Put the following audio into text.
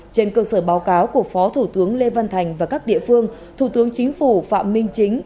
trên cơ sở báo cáo của phó thủ tướng lê văn thành và các địa phương thủ tướng chính phủ phạm minh chính